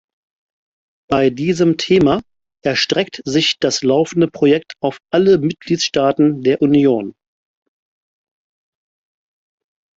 Bei diesem Thema erstreckt sich das laufende Projekt auf alle Mitgliedstaaten der Union.